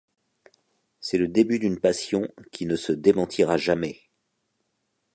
C’est le début d’une passion qui ne se démentira jamais.